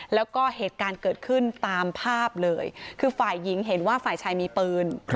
แล้วก็เหตุการณ์เกิดขึ้นตามภาพเลยคือฝ่ายหญิงเห็นว่าฝ่ายชายมีปืน